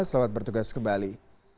selamat bertugas kembali